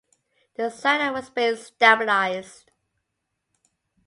The satellite was spin stabilized.